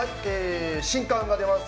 新刊が出ます。